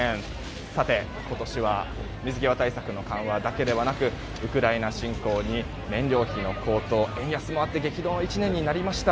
さて、今年は水際対策の緩和だけではなくウクライナ侵攻に燃料費の高騰円安もあって激動の１年になりました。